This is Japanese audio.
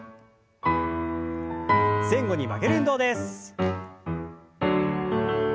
前後に曲げる運動です。